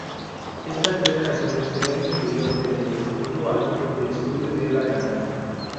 Estas tres canciones serían incluidas dentro del segundo álbum de estudio de la cantante.